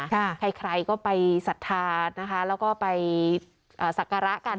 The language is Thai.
ใครใครก็ไปศรัทธานะคะแล้วก็ไปเอ่อสักการะกัน